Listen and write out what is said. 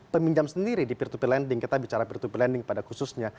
peminjam sendiri di peer to peer lending kita bicara peer to pelending pada khususnya